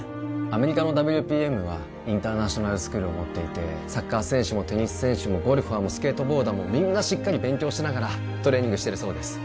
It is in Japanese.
アメリカのＷＰＭはインターナショナルスクールを持っていてサッカー選手もテニス選手もゴルファーもスケートボーダーもみんなしっかり勉強しながらトレーニングしてるそうです